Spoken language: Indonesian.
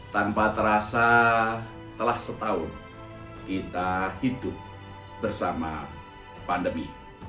tanpa terasa telah setahun kita hidup bersama pandemi